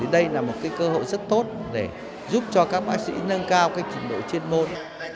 đây là một cơ hội rất tốt để giúp cho các bác sĩ nâng cao trình độ chuyên môn